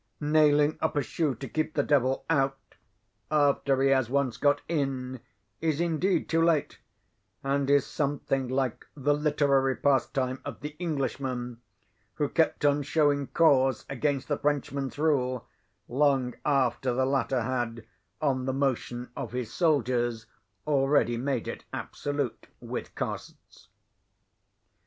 Nailing up a shoe to keep the devil out, after he has once got in, is indeed too late; and is something like the literary pastime of the "Englishman," who kept on showing cause against the Frenchman's rule, long after the latter had, on the motion of his soldiers, already made it absolute with costs.